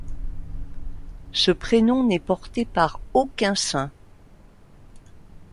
Ce prénom n'est porté par aucun saint.